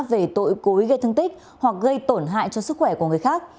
về tội cố ý gây thương tích hoặc gây tổn hại cho sức khỏe của người khác